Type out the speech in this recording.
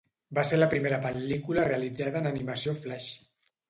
Va ser la primera pel·lícula realitzada en animació flash.